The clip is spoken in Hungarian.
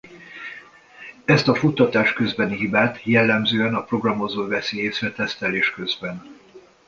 Ezt a futtatás közbeni hibát jellemzően a programozó veszi észre tesztelés közben.